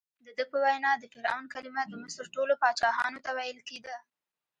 دده په وینا د فرعون کلمه د مصر ټولو پاچاهانو ته ویل کېده.